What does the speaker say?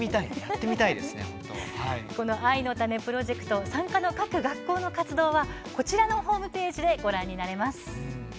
「藍のたねプロジェクト」参加の各学校の活動はこちらのホームページでご覧になれます。